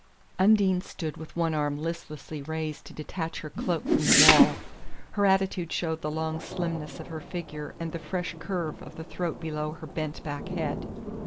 Undine stood with one arm listlessly raised to detach her cloak from the wall. Her attitude showed the long slimness of her figure and the fresh curve of the throat below her bent back head.